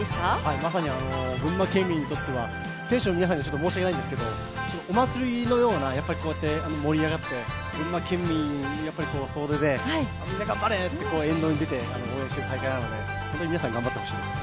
まさに群馬県民にとっては選手の皆さんに申し訳ないんですけど、お祭りのように盛り上がって群馬県民総出で、みんな頑張れって沿道に出て応援している大会なので、本当に皆さん、頑張ってほしいですね。